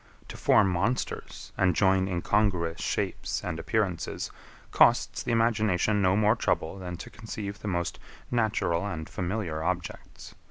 To form monsters, and join incongruous shapes and appearances, costs the imagination no more trouble than to conceive the most natural and familiar objects.